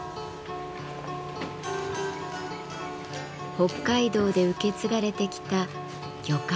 北海道で受け継がれてきた魚介の燻製。